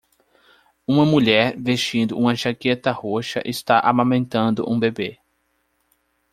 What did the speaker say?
Uma mulher vestindo uma jaqueta roxa está amamentando um bebê.